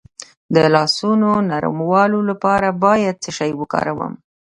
د لاسونو نرمولو لپاره باید څه شی وکاروم؟